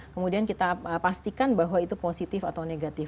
kemudian kita pastikan bahwa itu positif atau negatif